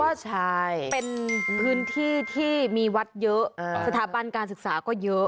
ใช่เป็นพื้นที่ที่มีวัดเยอะสถาบันการศึกษาก็เยอะ